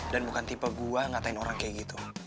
dan bukan tipe gue ngatain orang kayak gitu